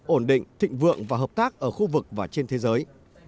ổn định thịnh vượng và hợp tác ở khu vực và trên thế giới